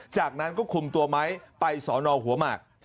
จากนั้นก็คุมตัวไม้ไปสอนอหัวหมาก